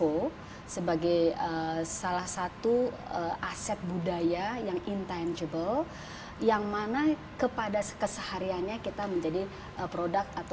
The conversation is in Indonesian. oke mungkin saya buka kembali bahwa hari yang indah ini atau hari batik yang ditetapkan di tahun dua ribu empat belas oleh unesco